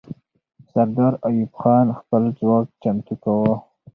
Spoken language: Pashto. سردار ایوب خان خپل ځواک چمتو کاوه.